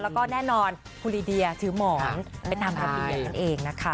แล้วก็แน่นอนคุณลีเดียถือหมอนไปตามระเบียบนั่นเองนะคะ